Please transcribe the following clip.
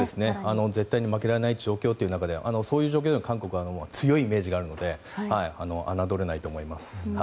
絶対に負けられない状況ということで韓国は強いイメージがあるので侮れないと思います。